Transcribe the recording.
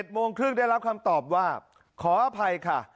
โมงครึ่งได้รับคำตอบว่าขออภัยค่ะ